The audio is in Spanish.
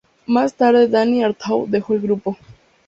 Más tarde, Dani Artaud dejó el grupo.